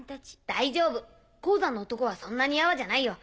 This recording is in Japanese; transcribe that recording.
大丈夫鉱山の男はそんなにヤワじゃないよ。